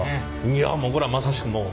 いやもうこれはまさしくもう。